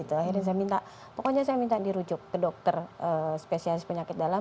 akhirnya saya minta pokoknya saya minta dirujuk ke dokter spesialis penyakit dalam